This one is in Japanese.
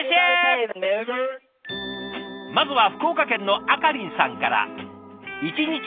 まずは福岡県のあかりんさんから。